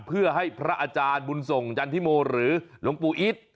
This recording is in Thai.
เพื่อให้พระอาจารย์บุญส่งจันทิโมหรือหลวงปู่อีท